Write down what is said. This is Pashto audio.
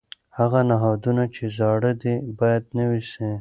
هغه نهادونه چې زاړه دي باید نوي سي.